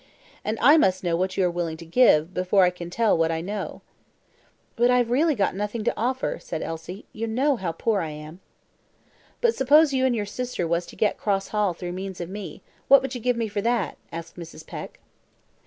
"And I must know what you are willing to give, before I can tell what I know," said Mrs. Peck. "But I have really got nothing to offer," said Elsie; "you know how poor I am." "But suppose you and your sister was to get Cross Hall through means of me, what would you give me for that?" asked Mrs. Peck.